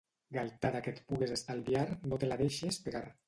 Galtada que et pugues estalviar, no te la deixes pegar.